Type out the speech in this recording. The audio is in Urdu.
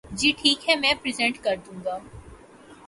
جی ٹھیک ہے میں پریزینٹ کردوں گا۔